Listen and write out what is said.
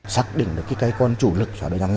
xác định là cây chủ lực